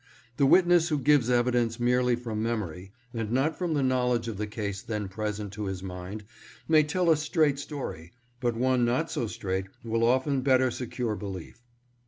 The witness who gives evidence merely from memory, and not from the knowledge of the case then present to his mind, may tell a straight story, but one not so straight will often better secure belief.